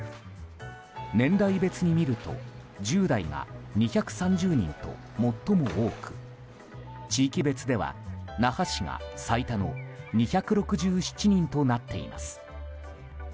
年代別に見ると１０代が２３０人と最も多く地域別では那覇市が最多の２６７人となっています。